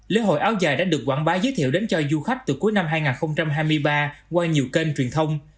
lễ hội áo dài đã được quảng bá giới thiệu đến cho du khách từ cuối năm hai nghìn hai mươi ba qua nhiều kênh truyền thông